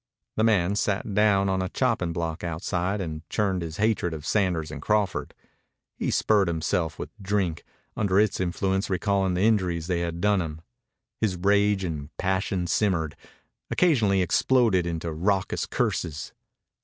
The man sat down on a chopping block outside and churned his hatred of Sanders and Crawford. He spurred himself with drink, under its influence recalling the injuries they had done him. His rage and passion simmered, occasionally exploded into raucous curses.